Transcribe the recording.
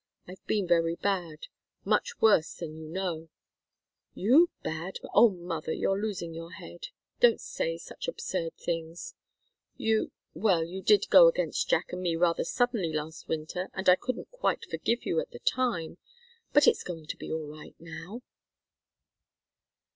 I've been very bad much worse than you know " "You, bad? Oh, mother! You're losing your head! Don't say such absurd things. You well, you did go against Jack and me rather suddenly last winter, and I couldn't quite forgive you at the time. But it's going to be all right now."